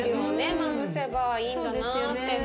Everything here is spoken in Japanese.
まぶせばいいんだなって。